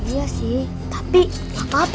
iya sih tapi gak apa apa